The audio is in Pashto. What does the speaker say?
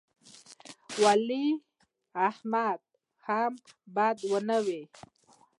ولي محمد هم بد نه و.